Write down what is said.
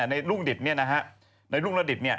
ในรุ่งระดิษฐ์